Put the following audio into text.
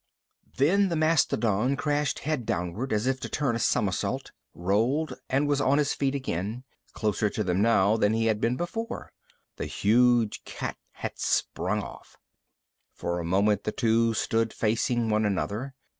Then the mastodon crashed head downward, as if to turn a somersault, rolled and was on his feet again, closer to them now than he had been before. The huge cat had sprung off. For a moment, the two stood facing one another.